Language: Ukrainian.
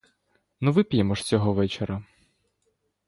Ну вип'ємо ж цього вечора!